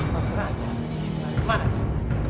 mas raja kemana kau